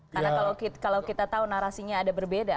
karena kalau kita tahu narasinya ada berbeda ya